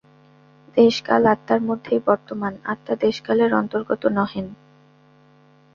দেশ-কাল আত্মার মধ্যেই বর্তমান, আত্মা দেশকালের অন্তর্গত নহেন।